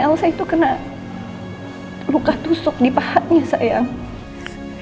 elsa itu kena luka tusuk di pahatnya sayang